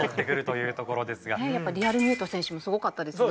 やっぱリアルミュート選手もすごかったですね。